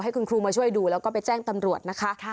ให้คุณครูมาช่วยดูแล้วก็ไปแจ้งตำรวจนะคะ